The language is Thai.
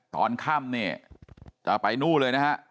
ตอนค่ำเนี่ยจะไปนู่นเลยนะฮะ